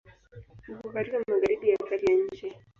Uko katika Magharibi ya kati ya nchi.